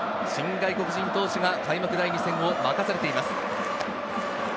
新外国人投手が開幕第２戦を任されています。